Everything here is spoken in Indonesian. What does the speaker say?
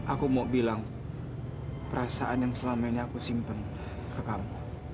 aku mau bilang perasaan yang selama ini aku simpen ke kamu